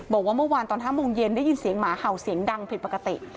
บอกว่าเมื่อวานตอน๕โมงเย็นได้ยินเสียงหมาเห่าเสียงดังผิดปกติ